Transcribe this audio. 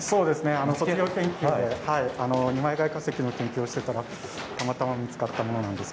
卒業研究で二枚貝化石の研究をしていたらたまたま見つけたものなんです。